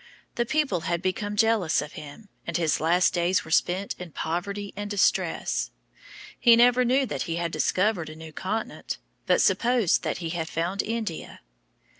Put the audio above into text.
The people had become jealous of him, and his last days were spent in poverty and distress. He never knew that he had discovered a new continent, but supposed that he had found India.